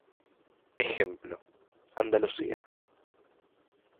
Ejemplo: Andalucía.